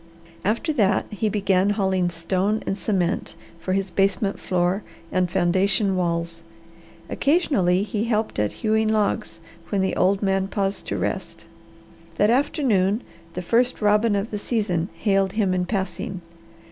After that he began hauling stone and cement for his basement floor and foundation walls. Occasionally he helped at hewing logs when the old man paused to rest. That afternoon the first robin of the season hailed him in passing.